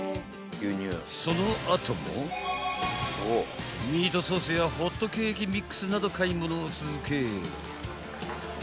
［その後もミートソースやホットケーキミックスなど買い物を続け］